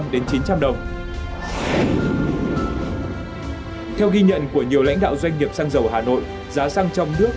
đến chín trăm linh đồng theo ghi nhận của nhiều lãnh đạo doanh nghiệp xăng dầu hà nội giá xăng trong nước